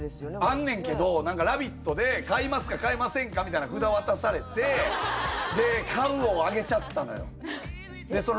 あんねんけど「ラヴィット！」で買いますか買いませんかみたいな札を渡されてで買うをあげちゃったのよ・わあ！